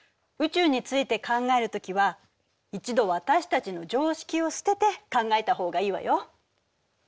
宇宙について考えるときは一度私たちの常識を捨てて考えた方がいいわよ。